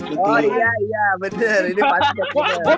oh iya iya bener ini pasok